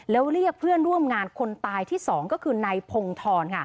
แล้วเรียกเพื่อนร่วมงานคนตายที่๒ก็คือนายพงธร